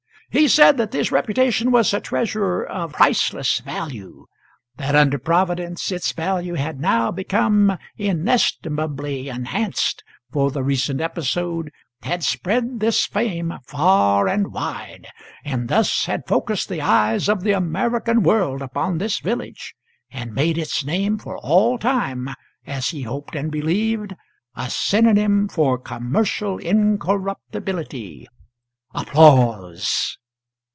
He said that this reputation was a treasure of priceless value; that under Providence its value had now become inestimably enhanced, for the recent episode had spread this fame far and wide, and thus had focussed the eyes of the American world upon this village, and made its name for all time, as he hoped and believed, a synonym for commercial incorruptibility. [Applause.